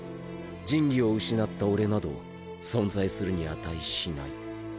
神器を失った俺など存在するに価しない。